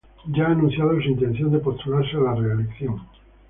Ya ha anunciado su intención de postularse a la reelección.